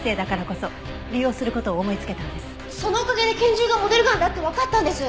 そのおかげで拳銃がモデルガンだってわかったんです。